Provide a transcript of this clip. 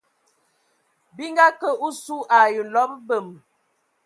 Bi nga kə osu ai nlɔb mbəm.